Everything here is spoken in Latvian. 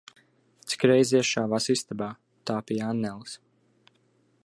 Cik reiz iešāvās istabā, tā pie Anneles.